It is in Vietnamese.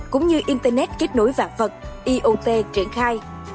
cũng như internet kết nối vạn vật iot triển khai